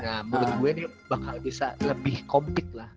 nah menurut gue ini bakal bisa lebih compete lah